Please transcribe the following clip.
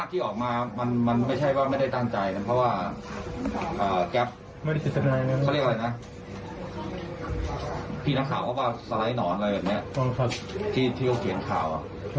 ที่เขาเขียนข่าว